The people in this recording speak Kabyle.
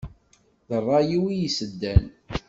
Ad ṛṛay-iw i yiseddan.